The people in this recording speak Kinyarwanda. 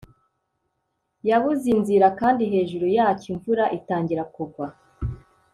Yabuze inzira kandi hejuru yacyo imvura itangira kugwa